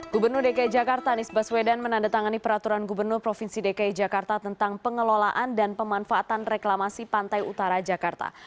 gubernur dki jakarta anies baswedan menandatangani peraturan gubernur provinsi dki jakarta tentang pengelolaan dan pemanfaatan reklamasi pantai utara jakarta